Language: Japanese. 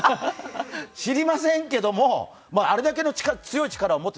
知りませんけどもあれだけの強い力を持つ。